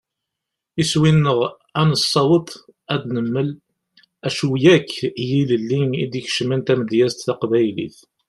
Iswi-nneɣ ad nessaweḍ ad d-nemmel acu akk n yilelli i d-ikecmen tamedyazt taqbaylit.